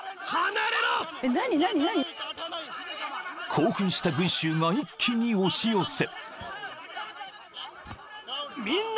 ［興奮した群衆が一気に押し寄せ］